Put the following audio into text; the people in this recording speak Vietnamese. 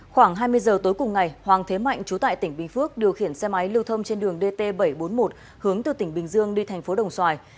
khoảng hai mươi giờ tối cùng ngày hoàng thế mạnh trú tại tỉnh bình phước điều khiển xe máy lưu thông trên đường dt bảy trăm bốn mươi một hướng từ tỉnh bình dương đi thành phố đồng xoài